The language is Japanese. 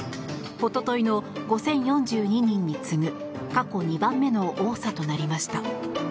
おとといの５０４２人に次ぐ過去２番目の多さとなりました。